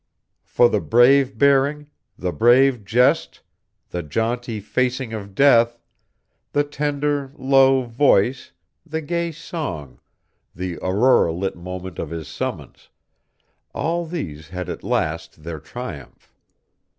For the brave bearing, the brave jest, the jaunty facing of death, the tender, low voice, the gay song, the aurora lit moment of his summons all these had at last their triumph.